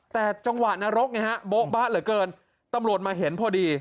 แต่จังหวะนรกไงฮะโบ๊ะบะเหลือเกินตำรวจมาเห็นพอดี